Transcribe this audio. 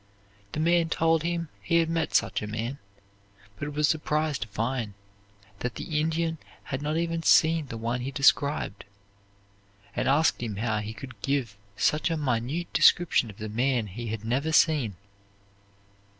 The man told him he had met such a man, but was surprised to find that the Indian had not even seen the one he described, and asked him how he could give such a minute description of the man he had never seen.